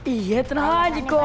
iya tenang aja kok